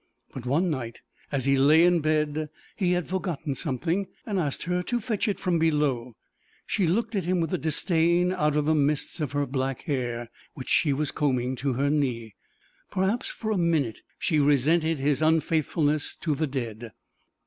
But one night as he lay in bed he had forgotten something and asked her to fetch it from below. She looked at him with a disdain out of the mists of her black hair, which she was combing to her knee. Perhaps for a minute she resented his unfaithfulness to the dead.